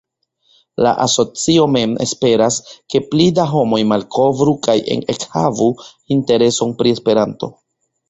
La asocio mem esperas ke pli da homoj malkovru kaj ekhavu intereson pri Esperanto.